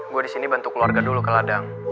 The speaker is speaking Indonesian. gue di sini bantu keluarga dulu ke ladang